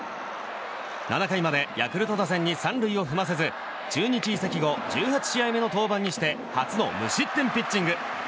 ７回までヤクルト打線に３塁を踏ませず中日移籍後１８試合目の登板にして初の無失点ピッチング！